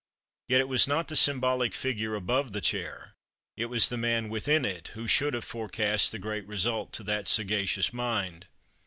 Yet it was not the symbolic figure above the chair, it was the man within it, which should have forecast the great result to that sagacious mind.